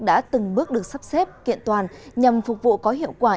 đã từng bước được sắp xếp kiện toàn nhằm phục vụ có hiệu quả